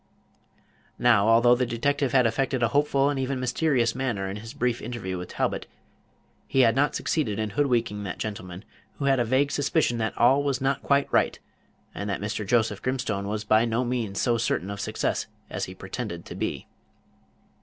Now, although the detective had affected a hopeful and even mysterious manner in his brief interview with Talbot, he had not succeeded in hoodwinking that gentleman, who had a vague suspicion that all was not quite right, and that Mr. Joseph Grimstone was by no means so certain of success as he pretended to be.